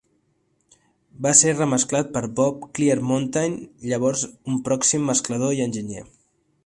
Va ser remesclat per Bob Clearmountain, llavors un pròxim mesclador i enginyer.